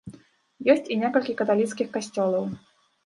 Ёсць і некалькі каталіцкіх касцёлаў.